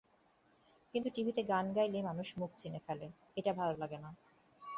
কিন্তু টিভিতে গান গাইলে মানুষ মুখ চিনে ফেলে, এটা ভালো লাগে না।